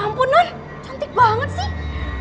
ya ampun non cantik banget sih